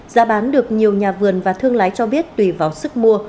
giá bán được nhiều nhà vườn và thương lái cho biết tùy vào sức mua